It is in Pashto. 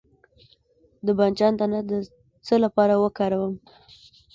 د بانجان دانه د څه لپاره وکاروم؟